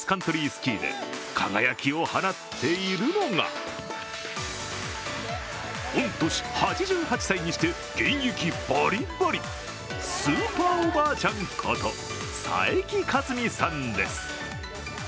スキーで輝きを放っているのが御年８８歳にして現役バリバリ、スーパーおばあちゃんこと佐伯克美さんです。